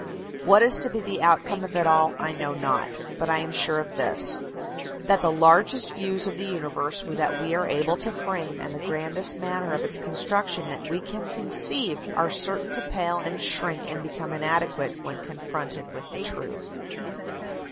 What is to be the outcome of it all I know not; but sure I am of this, that the largest views of the universe that we are able to frame, and the grandest manner of its construction that we can conceive, are certain to pale and shrink and become inadequate when confronted with the truth.